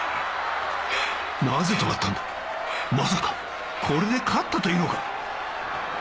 なぜ止まったんだまさかこれで勝ったというのか？